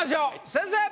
先生！